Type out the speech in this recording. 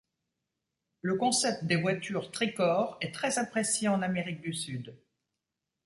Le concept des voitures tri-corps est très apprécié en Amérique du Sud.